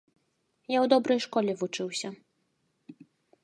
Я ў добрай школе вучыўся.